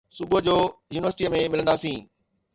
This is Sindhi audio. صبح جو يونيورسٽيءَ ۾ ملنداسين